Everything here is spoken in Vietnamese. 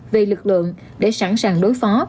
về lực lượng để sẵn sàng đối phó